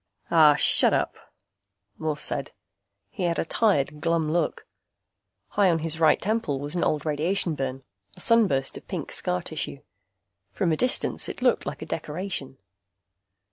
"Aah, shut up," Morse said. He had a tired, glum look. High on his right temple was an old radiation burn, a sunburst of pink scar tissue. From a distance it looked like a decoration.